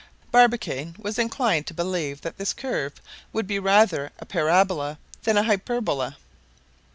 Barbicane was inclined to believe that this curve would be rather a parabola than a hyperbola.